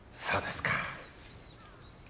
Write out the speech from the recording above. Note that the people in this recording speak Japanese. そうですか。